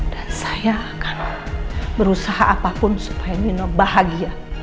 dan saya akan berusaha apapun supaya nino bahagia